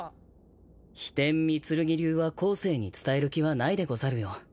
飛天御剣流は後世に伝える気はないでござるよ。